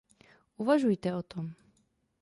Uvažujte o tom.